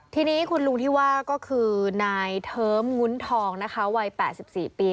ทีนี้คุณลุงที่ว่าก็คือนายเทิมงุ้นทองนะคะวัย๘๔ปี